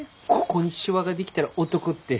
ここにしわが出来たら男って。